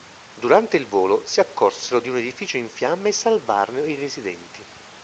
Durante il volo, si accorsero di un edificio in fiamme e salvarono i residenti.